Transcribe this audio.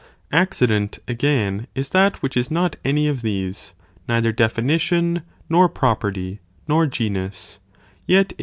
365 Accident, again, is that which is not any of these, port Royal neither definition, nor property, nor genus; yet 10.